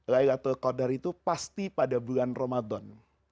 laylatul qadar itu pasti pada bulan ramadan